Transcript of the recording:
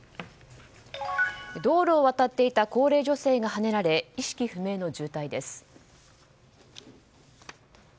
道路を渡っていた高齢女性がはねられ意識不明の重体です。